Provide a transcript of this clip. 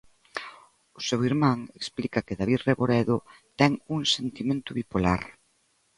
O seu irmán explica que David Reboredo ten "un sentimento bipolar".